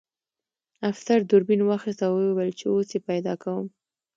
افسر دوربین واخیست او ویې ویل چې اوس یې پیدا کوم